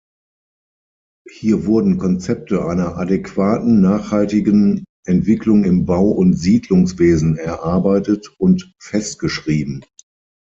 Hier wurden Konzepte einer adäquaten, nachhaltigen Entwicklung im Bau- und Siedlungswesen erarbeitet und festgeschrieben.